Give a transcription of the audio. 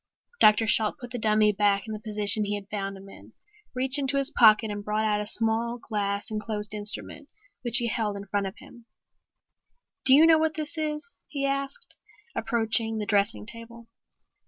Dr. Shalt put the dummy back in the position he had found him in, reached into his pocket and brought out a small glass enclosed instrument which he held in front of him. "Do you know what this is?" he asked, approaching the dressing table.